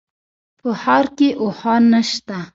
په ښار کي اوښان نشته